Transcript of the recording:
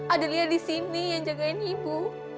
adelia di sini yang jagain ibu